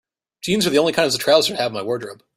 Jeans are the only kind of trousers I have in my wardrobe.